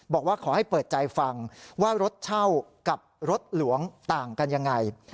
บอกว่าขอให้เปิดใจฟังว่ารถเช่ากับรถหลวงต่างกันยังไง